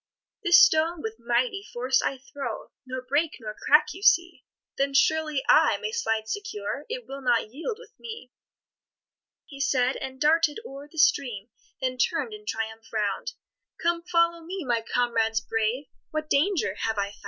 "This stone with mighty force I throw, Nor break, nor crack you see; Then surely I may slide secure, It will not yield with me." He said, and darted o'er the stream, Then turn'd in triumph round: "Come, follow me, my comrades brave, What danger have I found?"